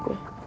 aku udah keras